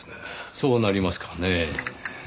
そうなりますかねぇ。